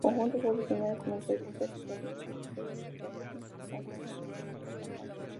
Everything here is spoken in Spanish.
El conjunto fue diseñado por los arquitectos Aurelio Botella, Joaquín Vaamonde y Julián Arranz.